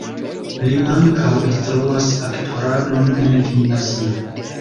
Li ankaŭ instruas aktoradon en gimnazio.